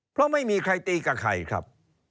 เพราะไม่มีใครตีกับใครครับ